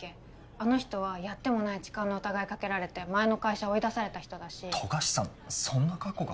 あの人はやってもない痴漢の疑いかけられて前の会社追い出された人だし富樫さんそんな過去が？